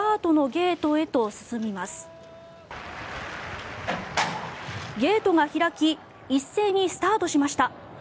ゲートが開き一斉にスタートしました。